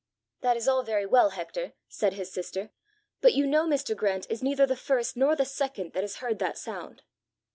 "That is all very well, Hector," said his sister; "but you know Mr. Grant is neither the first nor the second that has heard that sound!"